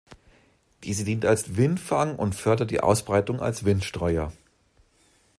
Diese dient als Windfang und fördert die Ausbreitung als Windstreuer.